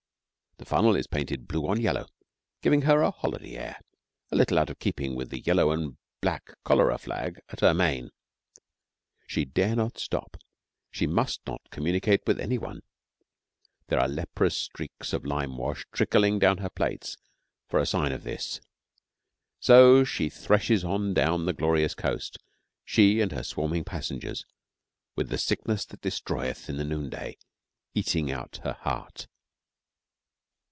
The funnel is painted blue on yellow, giving her a holiday air, a little out of keeping with the yellow and black cholera flag at her main. She dare not stop; she must not communicate with any one. There are leprous streaks of lime wash trickling down her plates for a sign of this. So she threshes on down the glorious coast, she and her swarming passengers, with the sickness that destroyeth in the noonday eating out her heart.